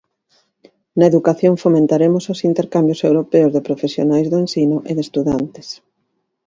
Na educación fomentaremos os intercambios europeos de profesionais do ensino e de estudantes.